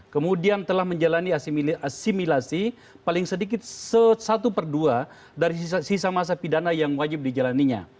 kemudian telah menjalani asimilasi paling sedikit satu per dua dari sisa masa pidana yang wajib dijalannya